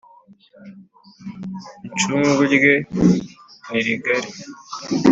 Incungu rye nirigali.